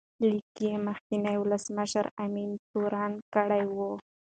لیک کې یې مخکینی ولسمشر امین تورن کړی و.